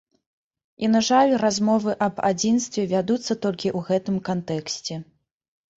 І, на жаль, размовы аб адзінстве вядуцца толькі ў гэтым кантэксце.